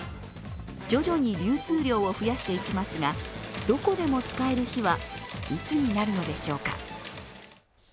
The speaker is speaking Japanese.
徐々に流通量を増やしていきますが、どこでも使える日はいつになるのでしょうか。